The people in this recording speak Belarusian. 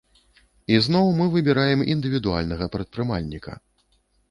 І зноў мы выбіраем індывідуальнага прадпрымальніка.